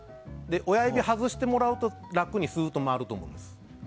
親指を外してもらうと楽にスッと回ると思います。